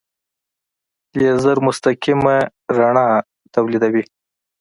لیزر مستقیمه رڼا تولیدوي.